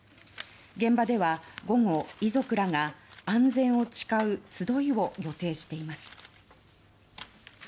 現場では午後遺族らが安全を誓う集いを予定しています。